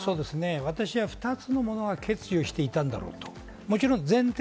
私は２つのことを決意していたんだろうと。